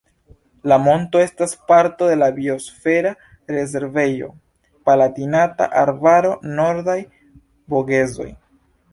La monto estas parto de la biosfera rezervejo Palatinata Arbaro-Nordaj Vogezoj.